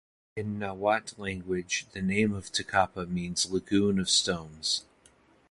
In nahuat language the name of Tecapa means Lagoon of stones.